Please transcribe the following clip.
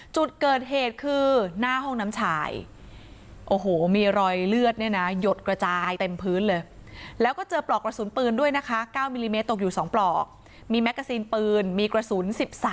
จุดเกิดเหตุคือหน้าห้องน้ำฉายมีรอยเลือดหยดกระจายเต็มพื้นเลย